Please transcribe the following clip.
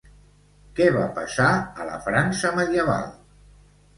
Què va passar a la França medieval?